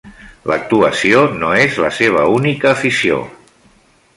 L'actuació no és la seva única afició.